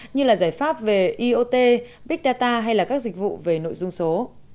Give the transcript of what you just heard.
như là giải pháp về iot big data hay là các dịch vụ về nội dung số